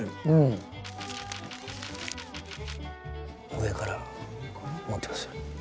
上から持ってください。